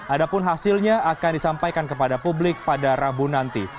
adapun hasilnya akan disampaikan kepada publik pada rabu nanti